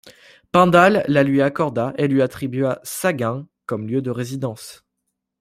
Pindale la lui accorda et lui attribua Sagaing comme lieu de résidence.